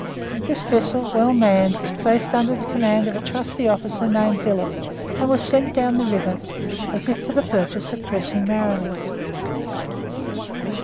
This vessel, well manned, was placed under the command of a trusty officer named Billop, and was sent down the river, as if for the purpose of pressing mariners.